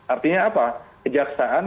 artinya apa kejaksaan